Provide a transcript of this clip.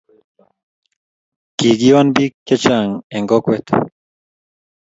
kikion biik chechang en kokwet